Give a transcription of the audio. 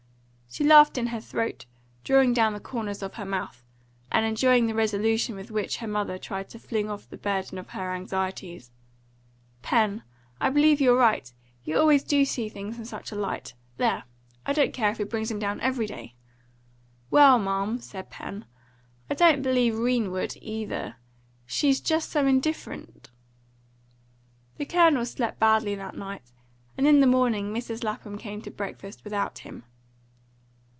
She laughed in her throat, drawing down the corners of her mouth, and enjoying the resolution with which her mother tried to fling off the burden of her anxieties. "Pen! I believe you're right. You always do see things in such a light! There! I don't care if he brings him down every day." "Well, ma'am," said Pen, "I don't believe 'Rene would, either. She's just so indifferent!" The Colonel slept badly that night, and in the morning Mrs. Lapham came to breakfast without him.